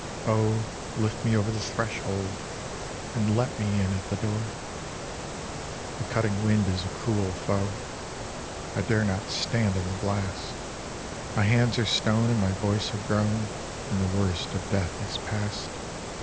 Oh, lift me over the threshold, and let me in at the door! The cutting wind is a cruel foe. I dare not stand in the blast. My hands are stone, and my voice a groan, And the worst of death is past.